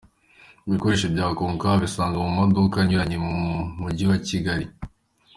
Ibikoresho bya Konka wabisanga mu maduka anyuranye mu Mujyi wa Kigali.